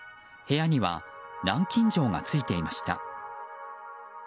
部屋には南京錠がついていました。